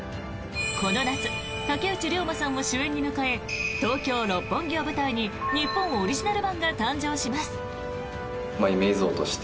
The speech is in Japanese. この夏竹内涼真さんを主演に迎え東京・六本木を舞台に日本オリジナル版が誕生します。